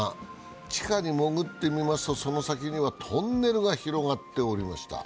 地下に潜ってみますと、その先にはトンネルが広がっておりました。